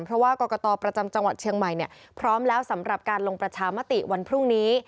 เพราะว่ากรกตประจำจังหวัดเชียงใหม่พร้อมแล้วสำหรับการลงประชามติวันพรุ่งนี้